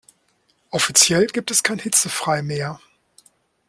Offiziell gibt es kein Hitzefrei mehr.